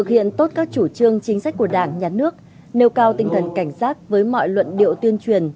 hiện tốt các chủ trương chính sách của đảng nhà nước nêu cao tinh thần cảnh giác với mọi luận điệu tuyên truyền